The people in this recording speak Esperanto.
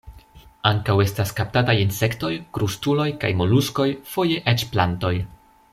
Ankaŭ estas kaptataj insektoj, krustuloj kaj moluskoj, foje eĉ plantoj.